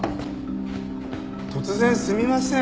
突然すみません。